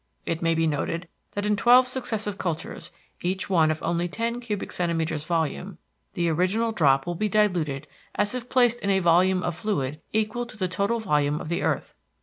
It may be noted that in twelve successive cultures, each one of only ten cubic centimeters volume, the original drop will be diluted as if placed in a volume of fluid equal to the total volume of the earth.